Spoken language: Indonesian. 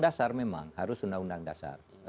dasar memang harus undang undang dasar